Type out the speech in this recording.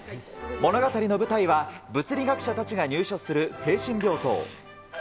物語の舞台は、物理学者たちが入所する精神病棟。